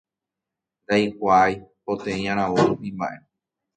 Ndaikuaái, poteĩ aravo rupi mba'e.